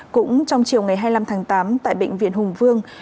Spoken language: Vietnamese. cũng trong chiều ngày hai mươi năm tháng tám tại bệnh viện hùng vương